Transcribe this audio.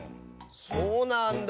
そうなんだ。